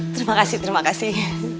terima kasih terima kasih